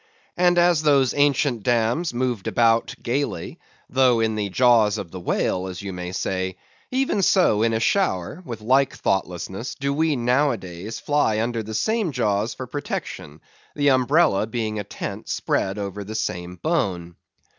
And as those ancient dames moved about gaily, though in the jaws of the whale, as you may say; even so, in a shower, with the like thoughtlessness, do we nowadays fly under the same jaws for protection; the umbrella being a tent spread over the same bone.